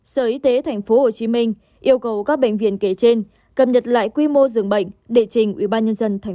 sở y tế tp hcm yêu cầu các bệnh viện kể trên cập nhật lại quy mô dường bệnh để trình ủy ban nhân dân tp